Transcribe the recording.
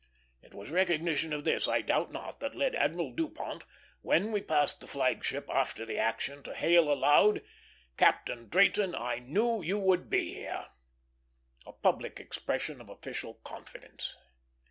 It was recognition of this, I doubt not, that led Admiral Dupont, when we passed the flag ship after the action, to hail aloud, "Captain Drayton, I knew you would be here;" a public expression of official confidence.